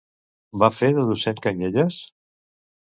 Va fer de docent Canyelles?